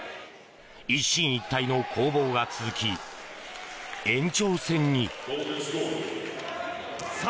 一進一退の攻防が続き延長戦に。